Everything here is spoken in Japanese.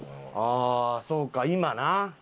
ああそうか今な。